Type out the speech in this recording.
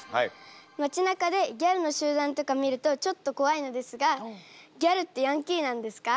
街なかでギャルの集団とか見るとちょっと怖いのですがギャルってヤンキーなんですか？